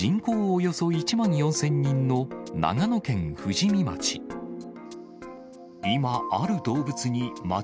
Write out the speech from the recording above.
およそ１万４０００人の長野県富士見町。